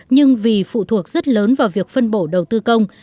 nhưng vì phụ thuộc rất lớn vào việc phân bổ đầu tư công